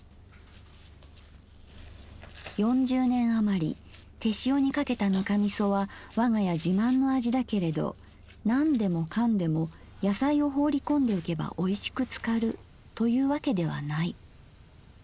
「四十年あまり手塩にかけたぬかみそはわが家自慢の味だけれどなんでもかんでも野菜を放りこんでおけばおいしく漬かるというわけではない。